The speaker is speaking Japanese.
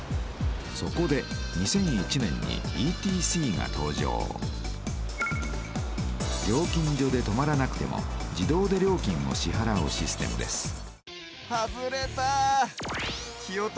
そこで２００１年にＥＴＣが登場料金所で止まらなくても自動で料金を支はらうシステムです